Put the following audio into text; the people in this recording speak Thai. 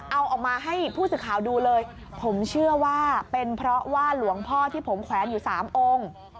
เอาออกมาให้ผู้สื่อข่าวดูเลยผมเชื่อว่าเป็นเพราะว่าหลวงพ่อที่ผมแขวนอยู่๓องค์